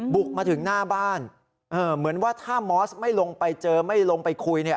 บุกมาถึงหน้าบ้านเหมือนว่าถ้ามอสไม่ลงไปเจอไม่ลงไปคุยเนี่ย